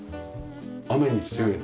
雨に強い？